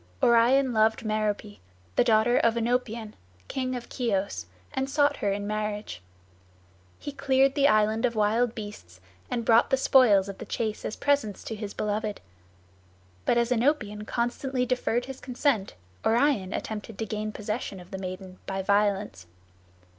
Orion loved Merope, the daughter of Oenopion, king of Chios, and sought her in marriage. He cleared the island of wild beasts, and brought the spoils of the chase as presents to his beloved; but as Oenopion constantly deferred his consent, Orion attempted to gain possession of the maiden by violence.